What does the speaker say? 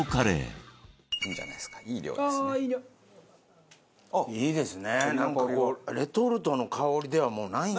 おいしいですね。